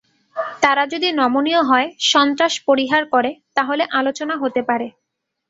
তারা যদি নমনীয় হয়, সন্ত্রাস পরিহার করে, তাহলে আলোচনা হতে পারে।